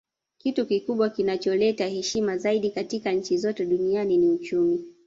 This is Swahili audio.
Kitu kikubwa kinacholeta heshima zaidi katika nchi zote duniani ni uchumi